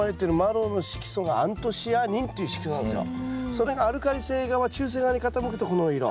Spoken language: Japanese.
それがアルカリ性側中性側に傾くとこの色。